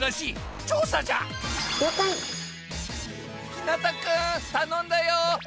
ひなたくん頼んだよ。